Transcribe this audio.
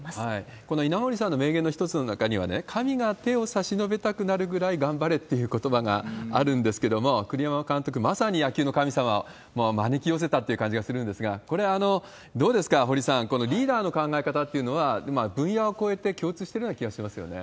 この稲盛さんの名言の一つの中にはね、神が手を差し伸べたくなるぐらい頑張れっていうことばがあるんですけども、栗山監督、まさに野球の神様を招き寄せたという感じがするんですが、これ、どうですか、堀さん、このリーダーの考え方っていうのは、今、分野を超えて共通してるような気がしますよね。